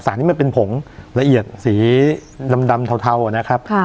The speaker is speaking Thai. ที่มันเป็นผงละเอียดสีดำเทานะครับ